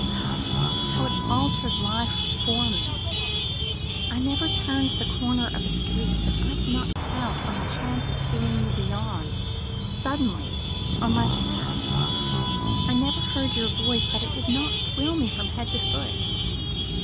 Ah, how it altered life for me! I never turned the corner of a street that I did not count on the chance of seeing you beyond suddenly on my path. I never heard your voice that it did not thrill me from head to foot.